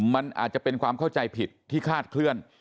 มันอาจจะเป็นความเข้าใจผิดที่คาดเคลื่อน